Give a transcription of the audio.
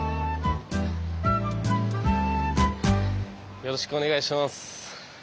よろしくお願いします。